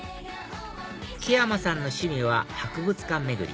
木山さんの趣味は博物館巡り